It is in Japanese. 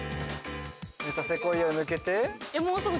メタセコイヤ抜けて。